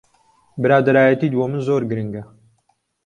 برادەرایەتیت بۆ من زۆر گرنگە.